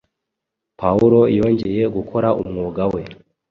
Pawulo yongeye gukora umwuga we.